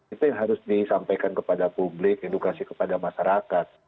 itu yang harus disampaikan kepada publik edukasi kepada masyarakat